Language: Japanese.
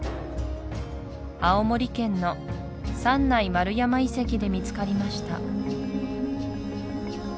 青森県の三内丸山遺跡で見つかりました